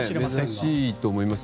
珍しいと思います。